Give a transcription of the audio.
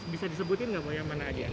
bisa disebutin nggak